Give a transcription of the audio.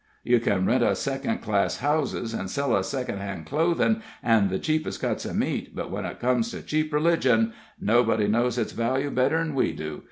Ye can rent us second class houses, an' sell us second hand clothin', and the cheapest cuts o' meat, but when it comes to cheap religion nobody knows its value better 'n we do.